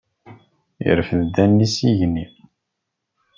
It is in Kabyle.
Yerfed allen-is s igenni.